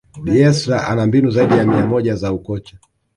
bielsa ana mbinu zaidi ya mia moja za ukocha